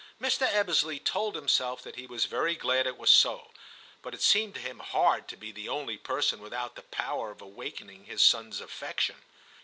Mr. Ebbesley told himself that he was very glad it was so, but it seemed to him hard to be the only person without the power of awakening his son's affection.